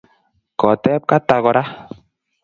Koteb Kata kora